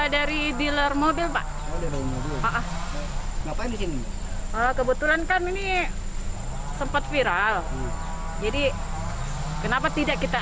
dari dealer mobil pak ngapain di sini kebetulan kan ini sempat viral jadi kenapa tidak kita